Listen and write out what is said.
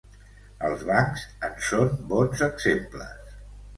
Els bancs en són bons exemples.